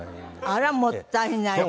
あらもったいない。